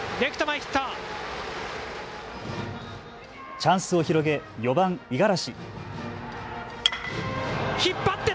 チャンスを広げ４番・五十嵐。